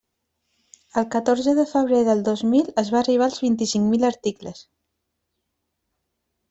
El catorze de febrer del dos mil es va arribar als vint-i-cinc mil articles.